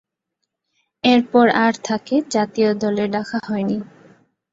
এরপর আর তাকে জাতীয় দলে ডাকা হয়নি।